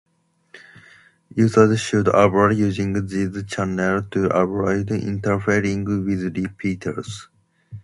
Users should avoid using these channels to avoid interfering with repeaters.